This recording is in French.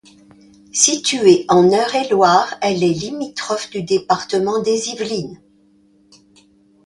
Située en Eure-et-Loir, elle est limitrophe du département des Yvelines.